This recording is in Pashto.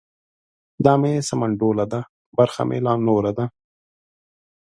ـ دا مې سمنډوله ده برخه مې لا نوره ده.